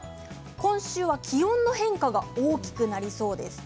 今週は気温の変化が大きくなりそうです。